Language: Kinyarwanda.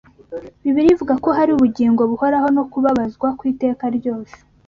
Bibiliya ivuga ko hari ubugingo buhoraho no kubabazwa kw’iteka ryose